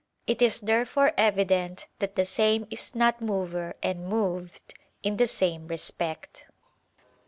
It is therefore evident that the same is not mover and moved in the same respect.